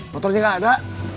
motornya gak ada